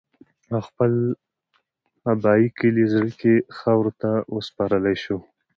او خپل ابائي کلي زَړَه کښې خاورو ته اوسپارلے شو